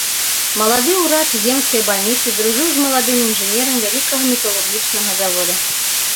Малады ўрач земскай бальніцы дружыў з маладым інжынерам вялікага металургічнага завода.